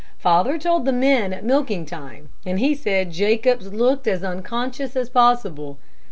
Father told the men at milking time, and he said Jacobs looked as unconscious as possible.